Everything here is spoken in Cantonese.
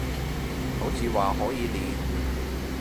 好似話可以練